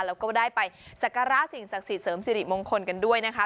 แล้วก็ได้ไปสักการะสิ่งศักดิ์สิทธิเสริมสิริมงคลกันด้วยนะคะ